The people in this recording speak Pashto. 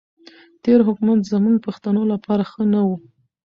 تېر حکومت زموږ پښتنو لپاره ښه نه وو.